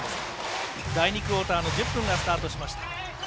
第２クオーターの１０分がスタートしました。